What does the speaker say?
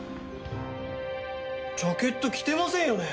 ジャケット着てませんよね？